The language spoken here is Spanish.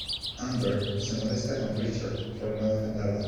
Amber se molesta con Richard por no defenderla.